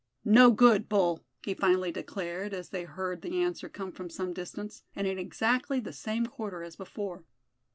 "No good, bull!" he finally declared, as they heard the answer come from some distance, and in exactly the same quarter as before.